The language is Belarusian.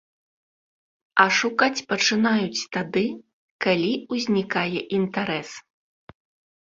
А шукаць пачынаюць тады, калі ўзнікае інтарэс.